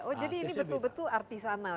oh jadi ini betul betul artisanal